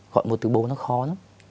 gọi một từ bố nó khó lắm